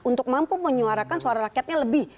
untuk mampu menyuarakan suara rakyatnya lebih